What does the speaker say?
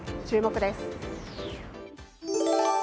注目です。